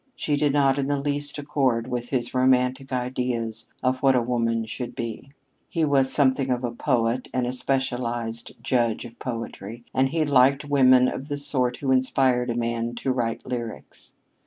She did not in the least accord with his romantic ideas of what a woman should be. He was something of a poet, and a specialized judge of poetry, and he liked women of the sort who inspired a man to write lyrics.